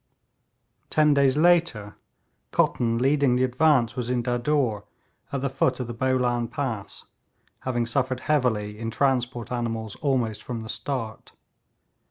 Ten days later, Cotton, leading the advance, was in Dadur, at the foot of the Bolan Pass, having suffered heavily in transport animals almost from the start.